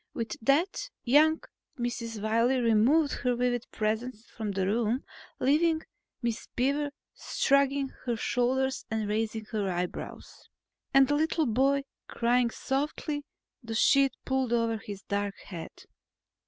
With that, young Mrs. Wiley removed her vivid presence from the room, leaving Miss Beaver shrugging her shoulders and raising her eyebrows. And the little boy crying softly, the sheet pulled over his dark head.